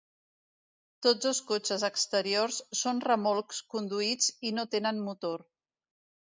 Tots dos cotxes exteriors són remolcs conduïts i no tenen motor.